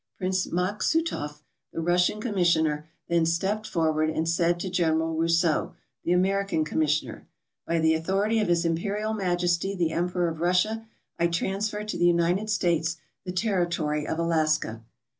Prince Maksutoff, the Russian commissioner, then stepped forward and said to General Rousseau, the American commissioner: "By the author ity of His Imperial Majesty the Emperor of Russia, I transfer to the United States the territory of Alaska."